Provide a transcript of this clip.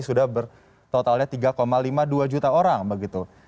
sudah bertotalnya tiga lima puluh dua juta orang begitu